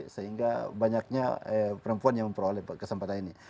sehingga banyaknya perempuan yang memperoleh kesempatan ini